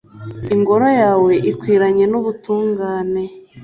Ingoro yawe ikwiranye n’ubutungane